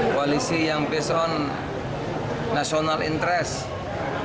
koalisi yang based on national interest